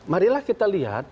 marilah kita lihat